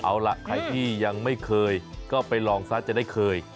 เอาล่ะใครที่ยังไม่เคยก็ไปลองซะจะได้เคย